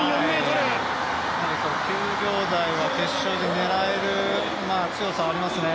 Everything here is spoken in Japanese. ９秒台は決勝で狙える強さがありますね。